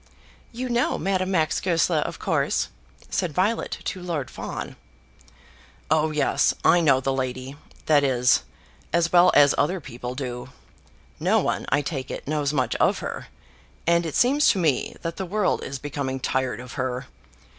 "You know Madame Max Goesler, of course?" said Violet to Lord Fawn. "Oh yes, I know the lady; that is, as well as other people do. No one, I take it, knows much of her; and it seems to me that the world is becoming tired of her.